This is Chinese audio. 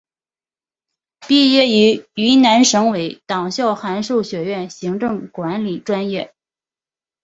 毕业于云南省委党校函授学院行政管理专业。